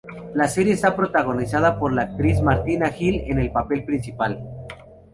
La serie está protagonizada por la actriz Martina Hill en el papel principal.